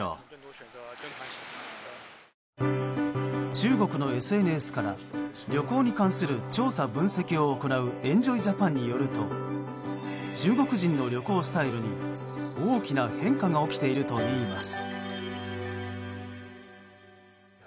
中国のＳＮＳから旅行に関する調査分析を行うＥＮＪＯＹＪＡＰＡＮによると中国人の旅行スタイルに大きな変化が起きているといいます。